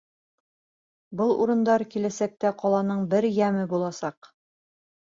Был урындар киләсәктә ҡаланың бер йәме буласаҡ.